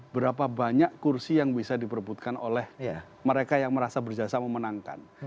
berapa banyak kursi yang bisa diperbutkan oleh mereka yang merasa berjasa memenangkan